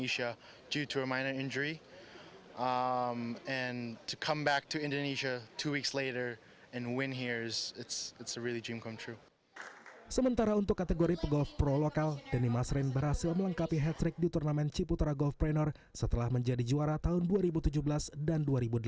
sementara untuk kategori pegolf pro lokal denny masrin berhasil melengkapi hat trick di turnamen ciputra golf preneur setelah menjadi juara tahun dua ribu tujuh belas dan dua ribu delapan belas